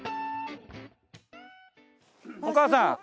お母さん！